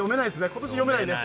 今年読めないね